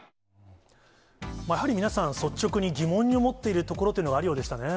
やはり皆さん、率直に疑問に思っているところというのがあるようでしたね。